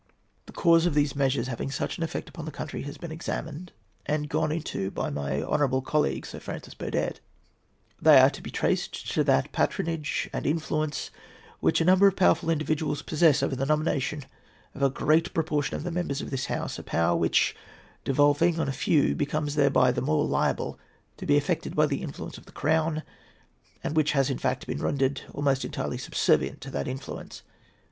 The cause of these measures having such an effect upon the country has been examined and gone into by my honourable colleague (Sir Francis Burdett); they are to be traced to that patronage and influence which, a number of powerful individuals possess over the nomination of a great proportion of the members of this House; a power which, devolving on a few, becomes thereby the more liable to be affected by the influence of the Crown; and which has in fact been rendered almost entirely subservient to that influence.